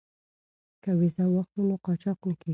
که ویزه واخلو نو قاچاق نه کیږو.